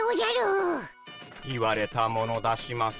言われたもの出します。